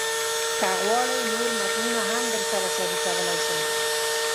که غواړئ، نور متنونه هم درسره شریکولی شم.